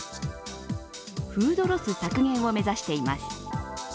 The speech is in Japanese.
フードロス削減を目指しています。